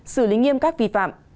xử lý nghiêm các vi phạm